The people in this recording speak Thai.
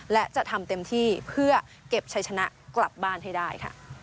และจะทำเต็มที่เพื่อเก็บชัยชนะกลับบ้านให้ได้ค่ะ